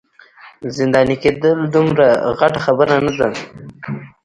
زنداني کیدل دومره غټه خبره نه ده.